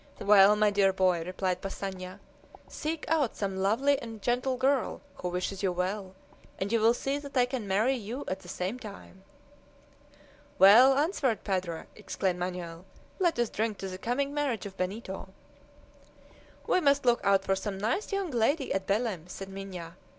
"Well, my dear boy," replied Passanha, "seek out some lovely and gentle girl who wishes you well, and you will see that I can marry you at the same time!" "Well answered, padre!" exclaimed Manoel. "Let us drink to the coming marriage of Benito." "We must look out for some nice young lady at Belem," said Minha.